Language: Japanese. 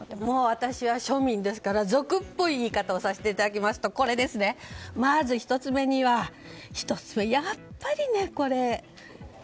私は庶民ですから俗っぽい言い方をさせてもらうとまず１つ目には、やっぱりこれ。